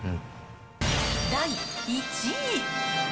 第１位。